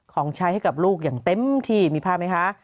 ของใช้ให้กับลูกอย่างเต็มที่มีภาพไหมคะ